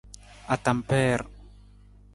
Atampeer.